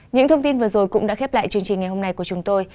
những thông tin vừa rồi cũng đã khép lại chương trình ngày hôm nay của chúng tôi